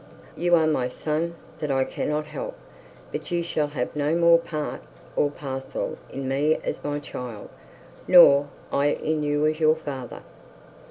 You are my son that I cannot help; but you shall have no more part or parcel in me as my child, nor I in you as your father.'